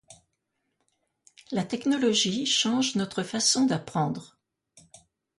La technologie change notre façon d’apprendre.